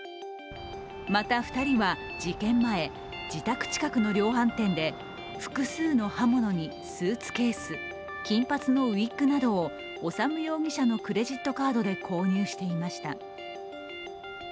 また、２人は事件前、自宅近くの量販店で複数の刃物にスーツケース、金髪のウイッグなどを修容疑者のクレジットカードで購入していました。